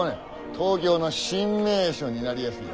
東京の新名所になりやすよ